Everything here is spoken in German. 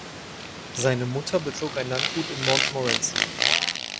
Seine Mutter bezog ein Landgut in Montmorency.